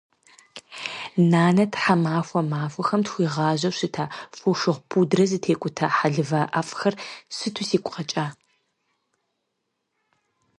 Нанэ тхьэмахуэ махуэхэм тхуигъажьэу щыта, фошыгъу пудрэ зытекӏута, хьэлывэ ӏэфӏхэр сыту сигу къэкӏа.